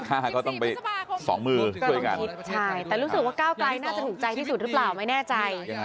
ใช่แต่รู้สึกว่าก้าวไกลน่าจะถูกใจที่สุดหรือเปล่าไม่แน่ใจ